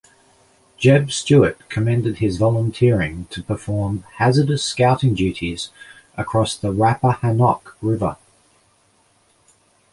Jeb Stuart commended his volunteering to perform hazardous scouting duties across the Rappahannock River.